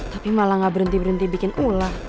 tapi malah gak berhenti berhenti bikin ulang